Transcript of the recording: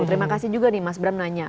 terima kasih juga nih mas bram nanya